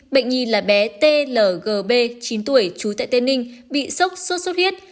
bệnh nhi là bé tlgb chín tuổi chú tại tên ninh bị sốc suốt huyết